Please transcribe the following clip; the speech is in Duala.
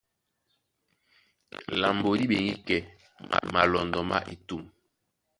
Lambo dí ɓeŋgí kɛ́ malɔndɔ má etûm.